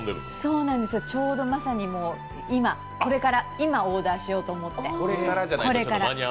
ちょうどまさに今、これからオーダーしようと思って。